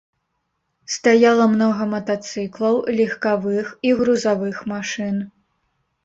Стаяла многа матацыклаў, легкавых і грузавых машын.